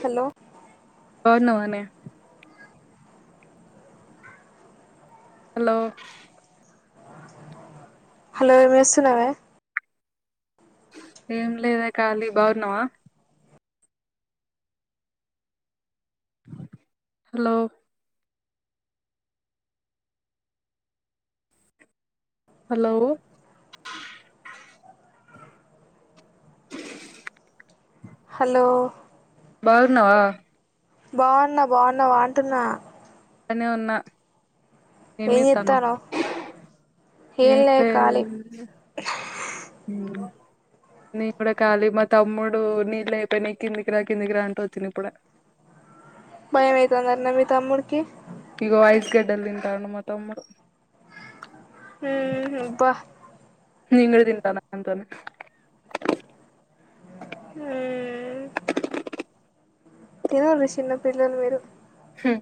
hello బాగున్నావానే hello hello ఎమ్ చేస్తున్నావే ఏం లేదే ఖాళి బాగున్నావా హలో హలో హలో బాగున్నావా బావున్నా బావున్నా బావుంటున్నా అట్లనే ఉన్నా ఏమ్ ఏం త్తను చేత్తానవ్ ఏం ఏమ్ లే ఖాళీ ఉ నేను కూడా కాలీ మా తమ్ముడు నీళ్ళు అయిపోయినాయి కిందికిరా కిందికిరా అంటే వచ్చిన ఇప్పుడే [inaudible] భయం అయితోందన్న మీ తమ్ముడికి ఇగో ఐస్ గడ్డలు తింటాండు మా తమ్ముడు హ అబ్బ నేను కూడా తింటన వాంతోని హ్మ్మ్ తినాలి చిన్న పిల్లలు మీరు హ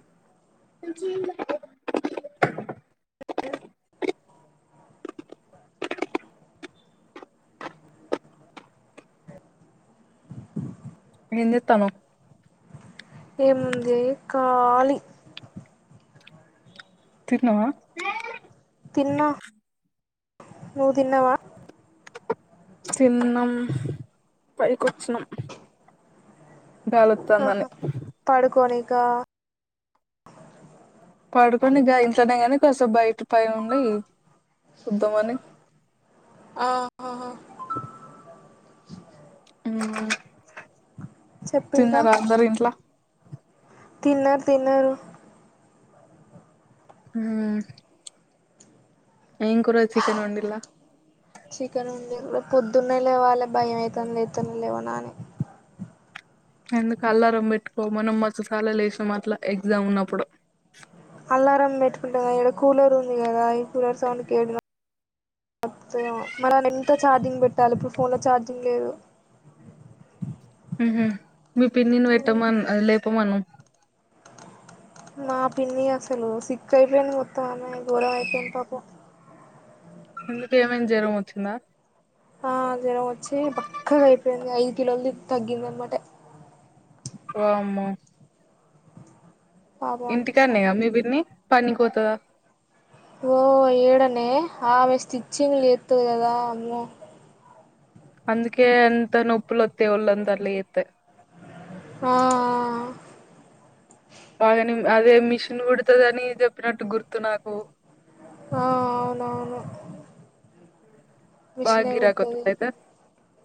ఏం చేత్తనావ్ ఏముంది ఖాలి తిన్నవా తిన్నా నువ్వు తిన్నవా తిన్నం పైకొచ్చినం ఆహా గాలోత్తందని పడుకోనికా పడుకొని గాయింట్లనే కాస్త బయట పై ఉండి వద్దామని ఆహా చెప్పింకా తిన్నారా అందరు ఇంట్లో తిన్నారు తిన్నారు ఆ ఏం కుర చికెన్ ఉండిల్లా చికెన్ ఉంది పొద్దున్న లేవాలి భయం అయితోంది లేత్తనా లేవనా అని ఎందుకు అల్లారం పెట్టుకో మనం మస్తు సాల్ అలా లేసాం అట్లా ఎగ్జామ్ ఉన్నప్పుడు అలారం పెట్టుకుంటా ఈడ కూలర్ ఉంది కదా ఈ కూలర్ సౌండ్ కేడు మత్త మనని ఎంత ఛార్జింగ్ పెట్టాలి ఇప్పుడు ఫోన్ లో ఛార్జింగ్ లేదు హ మీ పిన్నిని పెట్టాను అదే లేపమను నా పిన్ని అసలు సిక్క్ అయిపోయింది మొత్తం అన్నాయి ఘోరం అయిపోయింది పాపం ఎందుకు [unintelligible] జ్వరం వచ్చింద ఆ జ్వరం వచ్చి బక్కగ అయిపోయింది ఐదు కిలోలు తగ్గింది అనమాట వామ్మో పాపం అనిపిస్తాంది ఇంటికానేన నాకు మీపిన్ని పనికి పోతద ఓ ఏడనే ఆమె స్టిచ్చింగ్ [unintelligible] తుంది [unintelligible] అందకే ఎంత నొప్పులొతే ఒళ్ళంత [unintelligible] ఆ బాగనే అదే మిషన్ కొడతాదని అని చెప్పినట్టు గుర్తు నాకు ఆ అవునవును బాగా మిషనే గిరాకి కుడతది వత్తది అయితే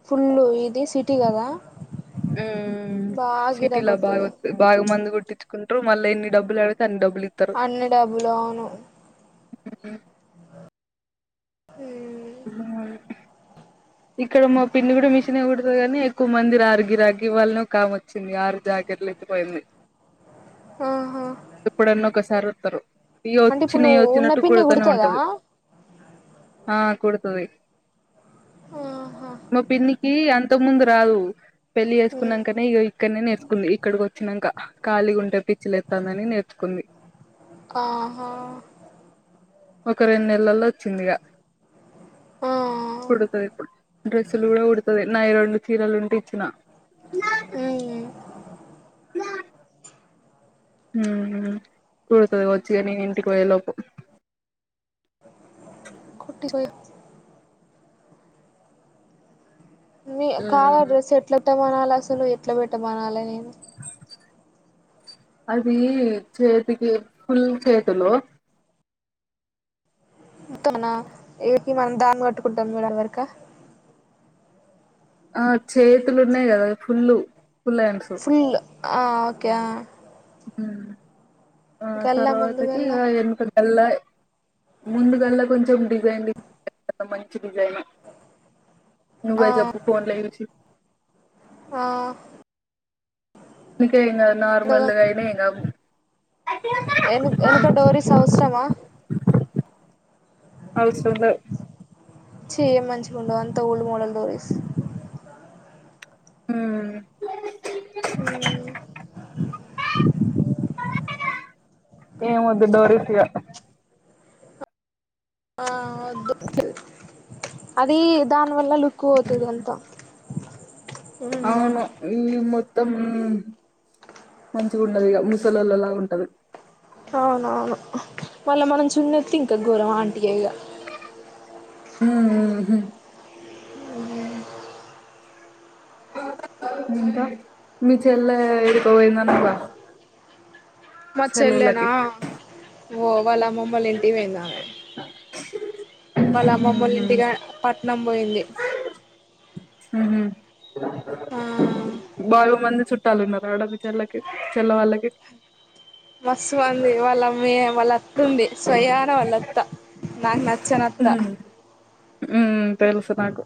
ఫుల్ ఇది సిటీ కద హు సిటీల వత్తది [unintelligible] బాగ మంది కుట్టించుంటారు మళ్ళీ ఎన్ని డబ్బులు అడితే అన్ని డబ్బులు ఇ అన్ని డబ్బులు అవును అ హు ఇ ఇక్కడ మా పిన్ని కూడ మిషనే కుడతది గాని ఎక్కువ మంది రారు గిరాకీ ఇవాళ ఒక ఆమే వచ్చింది ఆరు జా [unintelligible] పోయింది ఆహా ఎప్పుడన్న ఒకసారి వస్తరు ఇగ అంటే ఇప్పుడు వచ్చినయి నువ్వు ఉన్న వచ్చినట్టు పిన్ని కూడతనే కుడుతదా ఉంటది ఆ కొడతది ఆహా మా పిన్నికి అ అంతకు ముందు రాదు పెళ్లి చేసుకున్నకనే అక్కడనే నేర్చుకుంది ఇక్కడికి వచ్చినంక కలిగ ఉంటే పిచ్చి లేస్తాది నేర్చుకుంది ఆహా ఒక రెండు నెలల్లో వచ్చిందిగ ఆ కుడుతది ఇప్పుడు డ్రెస్సులు కూడ కుడతది నాయి రొండు చీరలు ఉంటే ఇచ్చిన అ కుడతది వచ్చిగ నేను ఇంటికి పోయే లోపు [unintelligible] [unintelligible] ఉమ్ డ్రెస్ ఎట్లా పెట్టమనాల అసలు ఎట్లా పెట్టమనాలి అది చేతికి ఫుల్ చేతులు తన [unintelligible] మనం దాన్ని కట్టుకుంటాం [unintelligible] ఆ చేతులు ఉన్నాయి కద ఫుల్ ఫుల్ [unintelligible] బిల్ ఆ ఒకే ఆ ఆ గల్లా తర్వాతకి ముందుగల్లా ఇగ [unintelligible] ముందు గల్ల కొంచెం డిజైన్లు [unintelligible] మంచి డిజైన్ ఆ నువ్వే చెప్పు [unintelligible] ఫోన్ [unintelligible] ఆ అందుకే ఇంగ ముందుగా నార్మల్గ అయిన ఇగ [unintelligible] ఎనక [unintelligible] అవసరమ [unintelligible] [unintelligible] మంచిగా ఉండవు అంత ఓల్డ్ మోడల్ [unintelligible] ఆ ఏమోద్దు డోరిస్ ఇగ ఆ వద్దు అది దానివల్ల లుక్ పోతుంది అంత ఉ అవును ఈ మొత్తం మంచిగుండదిగ ముసలోళ్ళలా ఉంటది అవునవును మళ్ళ మనం చున్నత్తి ఇంకా ఘోరం ఆంటియయిగా ఊ ఊ హు మీ చెల్లె ఏడికో పోయిందన్నవ్ గా మా చెల్లెనా సెలవులకి ఓ వాళ్ళమ్మమొల్ల ఇంటికి పోయిందామే వాళ్ళ అమ్మమ్మోళ్ళ ఉహు ఇంటిగా పట్నం పోయింది ఉహు ఆ బాగ మంది చుట్టాలున్నారా ఆడ మి చెల్లకి చెల్ల వాళ్ళకి మస్తుమంది వాళ్ళమ్మి వాళ్ళ అత్త ఉంది స్వయానా వాళ్ళత్త నాకు నచ్చనత్త ఉ తెలుసు నాకు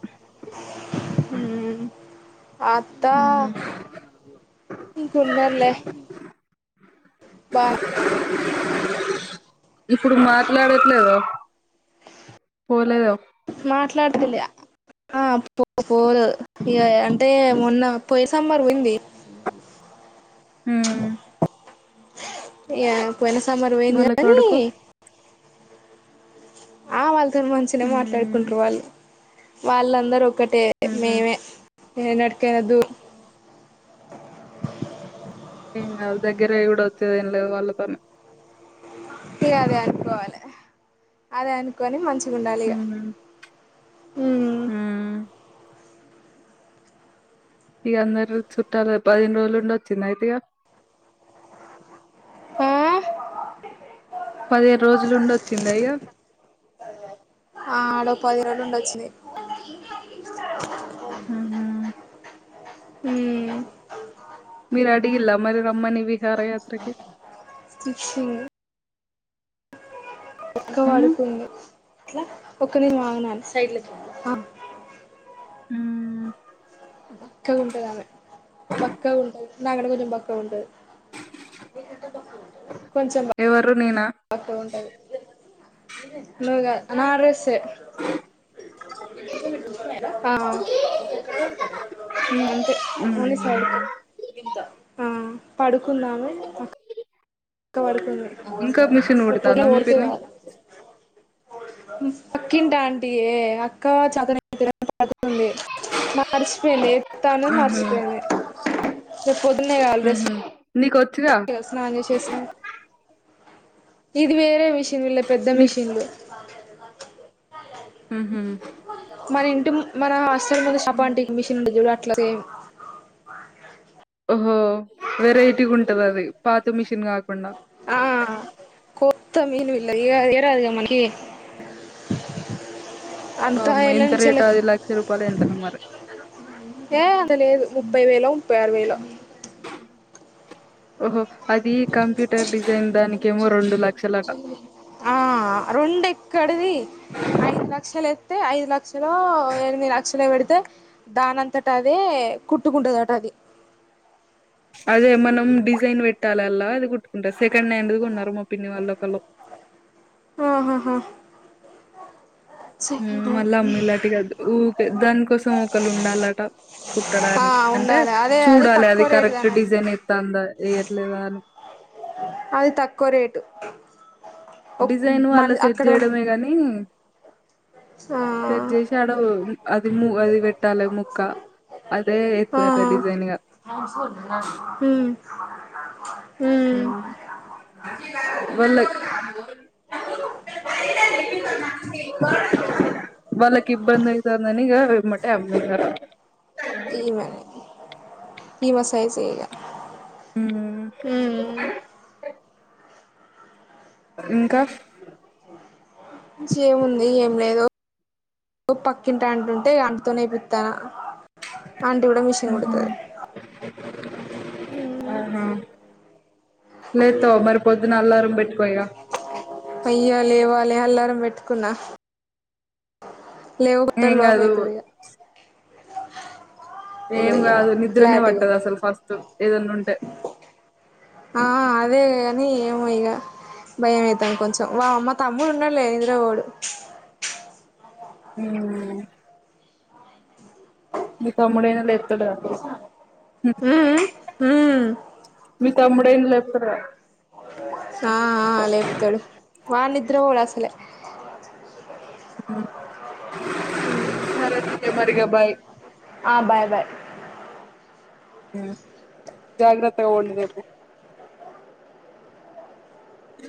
ఊ అత్త ఇంక ఉన్నర్లే బా ఇప్పుడు మాట్లాడట్లేదా పోలేదా మాట్లాడితిలే ఆ పో పోరు ఇ అంటే మొన్న పోయి సమ్మర్ పోయింది ఉమ్ ఇగ పోయిన సమ్మర్ పోయింది వాళ్ళ కానీ కొడుకు ఆ వాళ్ళతోని మంచినే ఉమ్ మాట్లాడుకుంటరు వాళ్ళు వాళ్ళందరూ ఒకటే ఉహు మేమే ఏనాటికైనా దూ ఏం కాదు దగ్గరేయి కూడా వచ్చేదేం లేదు వాళ్ళతోనే ఇగ అదే అనుకోవాలి అదె అనుకొని మంచిగా ఉండాలి ఇగ ఉమ్ ఇగ అందరు చుట్టాలు పదిహేను రోజులుండి వచ్చిందా అయితే ఇగ ఆ పదిహేను రోజులుండి వచ్చిందా ఇగ ఆ లో పది రోజులుండొచ్చింది ఉహు ఊ మీరు అడిగిల్ల మరి రమ్మని విహార యాత్రకి చ్చ ఒక్క ఉమ్ వడుకుంది ఊ బక్కగుంటదామే బక్కగుంటది నా కంటే కొంచెం బక్కగుంటది కొంచెం బ ఎవరు నేనా బక్కగుంటది ను గా నా డ్రస్సే అ ఉ అంతే మ్మ్ ఓన్లీ సైడ్కే ఆ పడుకుందామే వక్క పడుకుంది ఇంకా మిషన్ రెప్ పొద్దున్న కుడతాందా మీ ఫోర్ కే పిన్ని పక్కంట ఆంటియ అక్క చదని ది మర్చిపోయింది ఎ తను మ్మ్ మర్చిపోయింది రేపు పోదునే కావాలి రేప్ మ్మ్ నీకు వచ్చుగా వేసు స్నాగ చేస ఇది వేరే మిషన్ల పెద్ద నీకు మిషన్లు [unintelligible] ఉహు మన ఇంటి ముం మన హాస్టల్ ము షాప్ ఆంటీ మిషన్ ఉ చూడు అట్లాగే ఓహో వెరైటీగా ఉంటది అది పాత మిషన్ కాకుండా ఆ కొత్త మీను ఇలది ఏరాదు కమ్ మనకి అంతా వామ్మో ఎళ్ళ ఎంత నుంచి ఎళ్ళ రేట్ అది లక్ష రూపాయలు ఎంత మరి ఏ అంతా లేదు ముప్పై వేల ముప్పై ఆరు వేల ఓహో అది కంప్యూటర్ డిజైన్ దానికిమో రెండు లక్ష ఆ రెండు ఎక్కడిది ఐదు లక్షలు ఎస్తతే ఐదు లక్షలు ఎనిమిది లక్షలో పెడితే దానంతట అదే కుట్టుకుంటుదట అది అదే మనం డిజైన్ పెట్టాలిలా అది కుట్టుంటారు సెకండ్ హ్యాండ్ కొన్నారు మా పిన్ని వాళ్ళు ఒక్కలు ఆహాహా సెకండ్ మళ్ళీ హ్యాండ్ అమ్మీ ఇలాంటిగా ఊకే దానికోసం ఒకళు ఉండాలట ఆ కుట్టడానికి అంటే ఉండాలి అదే చూడాలి అది తక్కువ రేటుది కరెక్ట్ అన్నట్టు డిజైన్ ఎస్తందా వేయట్లేదా అని అది తక్కువ రేటు ఒక్ డిజైన్ వాళ్ళ మన సెట్ అక్కడ చేయడమే గాని స్డ్ ఆ చేేసి ఆడ అది ము అది వెట్టాల ముక్కా అదే ఎతుదటా డిజైన్గా ఉ వాలో వాళ్లకి ఇబ్బంది అయితాదీ అన్ని ఇగా మ ఆమేసారు ఈమె ఈమె సైజ్ ఇగా ఉ ఉ ఇంకా ఏముంది ఏం లేదు పక్కింటి అంటుంటే అంటుతోనేై ఏపీతన ఆంటి కూడా మిషన్ ఉహు, కూడతాది అవుహ లేత మరి పొద్దున అల్లారం పెట్టుకోయగా అయ్యో లేవ్వాలి అల్లారం పెట్టుకున్నా లేవు కొట్ట ఏం బలాప్ కాదు అయితది ఇగా ఏం కాదు నిద్రనే పట్టదు అసలు ఫస్ట్ ఏదన్నా ఉంటే ఆ అదే గాని ఏమో ఇగా భయం అవుతాం కొంచెం వా అమ్మ తమ్ముడు ఉన్నాడు లే ఇంద్ర వాడు ఉమ్ మీ తమ్ముడైన లేపుతాడు గా నిద్రపోడు మీ తమ్ముడైన లేపుతాడు గా ఆ ఆ లేేప్తడు వాడు నిద్ర పోడు అసలే ఉమ్ ఉ సరే సరే మరి ఇగ బాయ్ ఆ బాయ్ బాయ్ ఉ జాగ్రత్తగా పోండి మరి ఇ